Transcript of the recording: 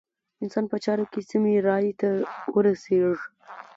انسان په چارو کې سمې رايې ته ورسېږي.